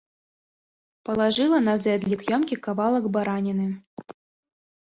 Палажыла на зэдлік ёмкі кавалак бараніны.